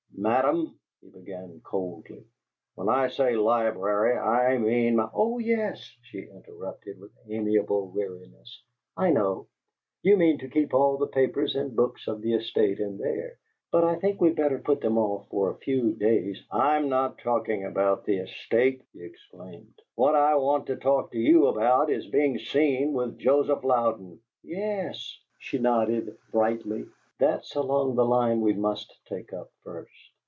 "Madam," he began, coldly, "when I say my library, I mean my " "Oh yes," she interrupted, with amiable weariness. "I know. You mean you keep all the papers and books of the estate in there, but I think we'd better put them off for a few days " "I'm not talking about the estate!" he exclaimed. "What I want to talk to you about is being seen with Joseph Louden!" "Yes," she nodded, brightly. "That's along the line we must take up first."